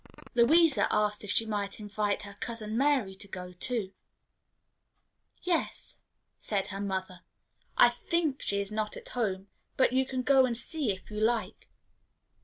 Louisa asked if she might invite her Cousin Mary to go too. "Yes," said her mother; "I think she is not at home; but you can go and see, if you like."